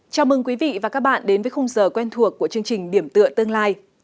chào mừng quý vị và các bạn đến với khung giờ quen thuộc của chương trình điểm tựa tương lai